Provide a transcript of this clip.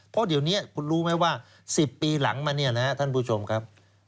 เพราะเดี๋ยวนี้คุณรู้ไหมว่า๑๐ปีหลังมาเนี่ยนะครับท่านผู้ชมครับ